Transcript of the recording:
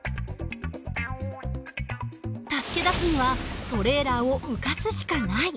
助け出すにはトレーラーを浮かすしかない。